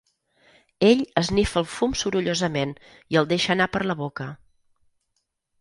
Ell esnifa el fum sorollosament i el deixa anar per la boca.